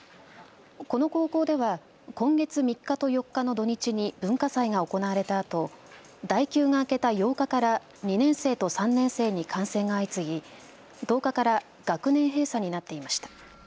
この高校では今月３日と４日の土日に文化祭が行われたあと代休が明けた８日から２年生と３年生に感染が相次ぎ１０日から学年閉鎖になっていました。